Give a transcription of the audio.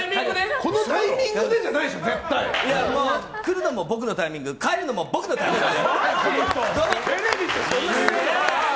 このタイミングでじゃもう来るのも僕のタイミング帰るのも僕のタイミングで。